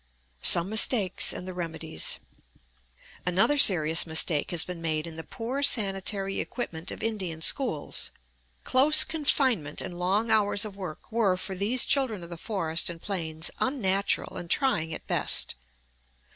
SOME MISTAKES AND THE REMEDIES Another serious mistake has been made in the poor sanitary equipment of Indian schools. Close confinement and long hours of work were for these children of the forest and plains unnatural and trying at best.